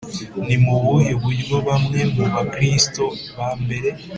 Ni mu buhe buryo bamwe mu Bakristo ba mbere